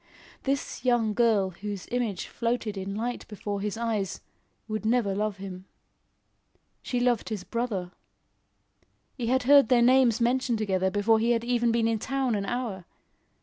This young girl whose image floated in light before his eyes, would never love him. She loved his brother. He had heard their names mentioned together before he had been in town an hour.